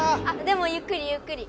でもゆっくりゆっくり。